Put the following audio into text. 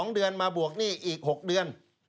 ๒เดือนมาบวกหนี้อีก๖เดือน